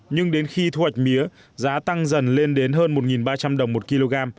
nhưng đến khi thu hoạch mía giá tăng dần lên đến hơn một ba trăm linh đồng một kg